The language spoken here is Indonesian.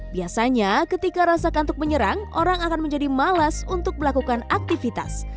biasanya ketika rasa kantuk menyerang orang akan menjadi malas untuk melakukan aktivitas